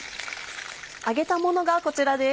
揚げたものがこちらです。